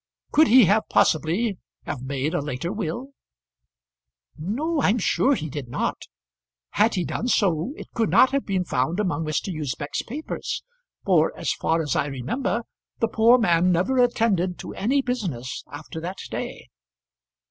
Could he have possibly have made a later will?" "No; I am sure he did not. Had he done so it could not have been found among Mr. Usbech's papers; for, as far as I remember, the poor man never attended to any business after that day."